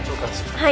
はい。